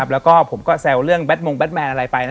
แล้วก็ผมก็แซวเรื่องมงแบทแมนอะไรไปนะ